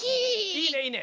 いいねいいね。